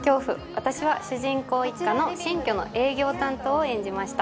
私は、主人公一家の新居の営業担当を演じました。